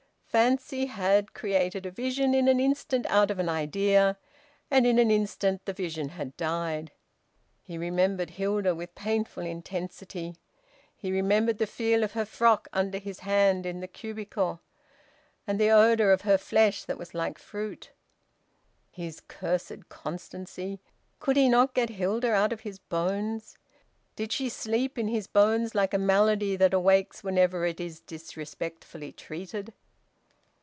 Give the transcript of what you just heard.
Fancy had created a vision in an instant out of an idea, and in an instant the vision had died. He remembered Hilda with painful intensity. He remembered the feel of her frock under his hand in the cubicle, and the odour of her flesh that was like fruit. His cursed constancy! ... Could he not get Hilda out of his bones? Did she sleep in his bones like a malady that awakes whenever it is disrespectfully treated?